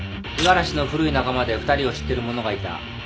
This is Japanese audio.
五十嵐の古い仲間で２人を知ってる者がいた。